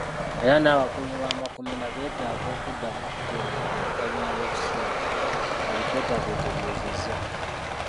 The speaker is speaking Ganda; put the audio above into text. "Era n'abakuumi b'amakomera beetaaga okuddamu okutendekebwa oluvannyuma lw'ekiseera,” Alipoota bw'etegeezezza.